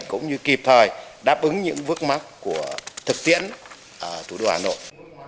cũng như kịp thời đáp ứng những bước mắt của thực tiễn ở thủ đô hà nội